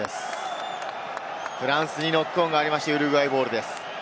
フランスにノックオンがあって、ウルグアイボールです。